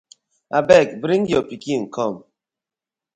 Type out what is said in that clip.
I beg bring yo pikin kom.